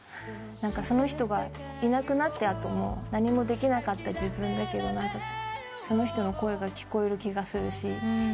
その人がいなくなった後も何もできなかった自分だけどその人の声が聞こえる気がするし。